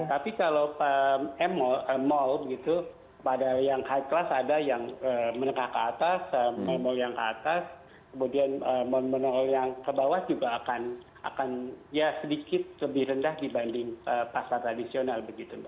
tapi kalau mall gitu ada yang high class ada yang menengah ke atas mall mall yang ke atas kemudian mall yang ke bawah juga akan ya sedikit lebih rendah dibanding pasar tradisional begitu